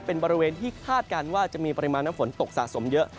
เป็นบริเวณที่คาดการณ์ว่าจะมีปริมาณน้ำฝนตกสะสมเยอะ